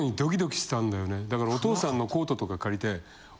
だからお父さんのコートとか借りて。